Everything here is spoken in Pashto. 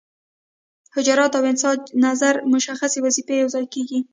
حجرات او انساج نظر مشخصې وظیفې یوځای کیږي.